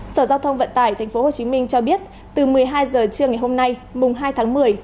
sở giao thông vận tải tp hcm cho biết từ một mươi hai h trưa ngày hôm nay mùng hai tháng một mươi